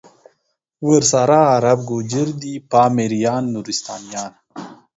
ورسره عرب، گوجر دی پامیریان، نورستانیان